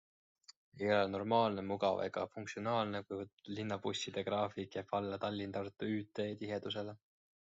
Ei ole normaalne, mugav ega funktsionaalne, kui linnabusside graafik jääb alla Tallinn-Tartu ÜT tihedusele.